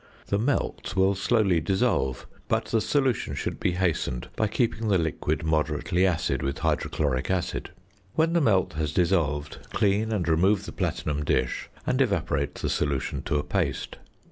The "melt" will slowly dissolve, but the solution should be hastened by keeping the liquid moderately acid with hydrochloric acid. When the "melt" has dissolved, clean and remove the platinum dish, and evaporate the solution to a paste.